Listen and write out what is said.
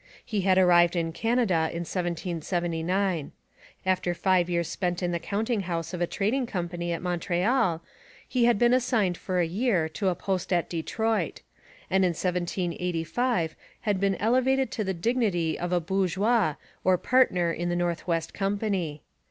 He had arrived in Canada in 1779. After five years spent in the counting house of a trading company at Montreal, he had been assigned for a year to a post at Detroit, and in 1785 had been elevated to the dignity of a bourgeois or partner in the North West Company.